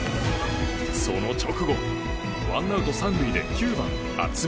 その直後、ワンアウト３塁で９番、渥美。